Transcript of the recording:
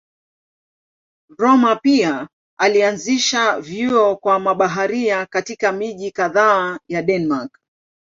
Rømer pia alianzisha vyuo kwa mabaharia katika miji kadhaa ya Denmark.